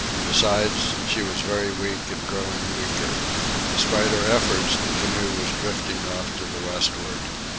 Besides, she was very weak and growing weaker. Despite her efforts, the canoe was drifting off to the westward.